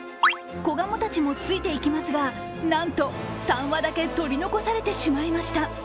子ガモたちもついていきますが、なんと３羽だけ取り残されてしまいました。